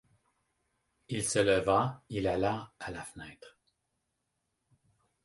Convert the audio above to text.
Il se leva, il alla à la fenêtre.